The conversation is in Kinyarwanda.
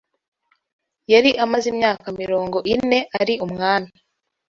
Yari amaze imyaka mirongo ine ari umwami